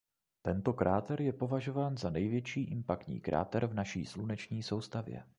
Tento kráter je považován za největší impaktní kráter v naší sluneční soustavě.